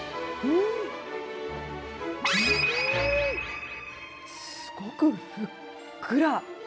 うん、すごくふっくら。